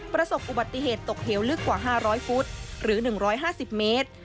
ประสบอุบัติเหตุตกเหวลึกกว่า๕๐๐ฟุตหรือ๑๕๐เมตร